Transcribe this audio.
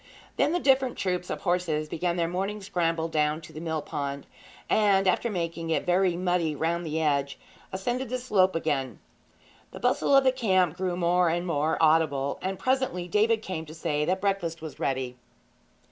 Then the different troops of horses began their morning scramble down to the mill pond, and, after making it very muddy round the edge, ascended the slope again. The bustle of the camp grew more and more audible, and presently David came to say that breakfast was ready.